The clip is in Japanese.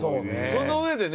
その上でね